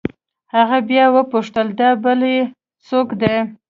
هغه بيا وپوښتل دا بل يې سوک دې.